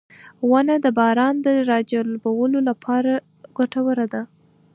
• ونه د باران راجلبولو لپاره ګټوره ده.